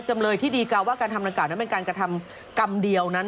จำเลยที่ดีกาว่าการทำดังกล่านั้นเป็นการกระทำกรรมเดียวนั้น